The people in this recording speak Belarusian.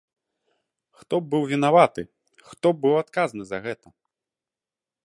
Хто б быў вінаваты, хто б быў адказны за гэта?